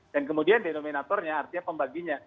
dan kemudian denominatornya artinya pembaginya